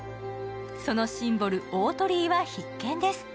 そのシンボル、大鳥居は必見です。